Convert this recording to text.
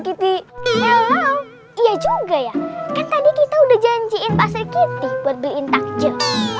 kitty hello iya juga ya kan tadi kita udah janjiin pasar kitty buat beliin takjil